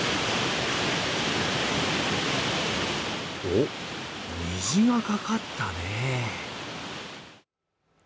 お、虹がかかったね。